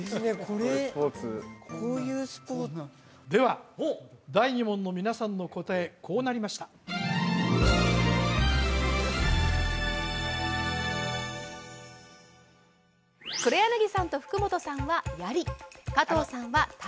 これこういうスポーツでは第２問の皆さんの答えこうなりましたさあ